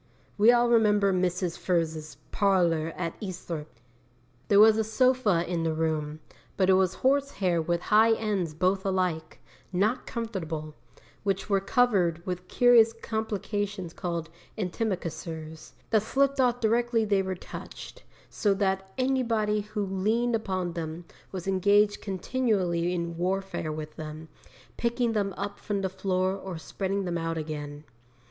We all remember Mrs. Furze's parlour at Eastthorpe. 'There was a sofa in the room, but it was horse hair with high ends both alike, not comfortable, which were covered with curious complications called antimacassars, that slipped off directly they were touched, so that anybody who leaned upon them was engaged continually in warfare with them, picking them up from the floor or spreading them out again.